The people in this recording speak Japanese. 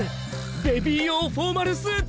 ベビー用フォーマルスーツ！